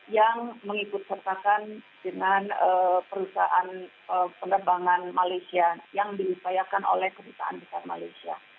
yang mengikut sertakan dengan perusahaan penerbangan malaysia yang dimusayakan oleh kbri